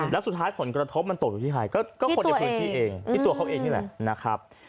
แล้วสุดท้ายผลกระทบมันตกอยู่ที่ใครก็คนในพื้นที่เองที่ตัวเขาเองนี่แหละนะครับ